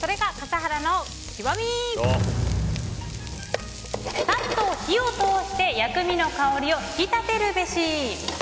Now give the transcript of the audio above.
さっと火を通して薬味の香りを引き立てるべし。